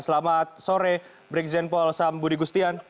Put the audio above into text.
selamat sore brikjen polsam budi gustian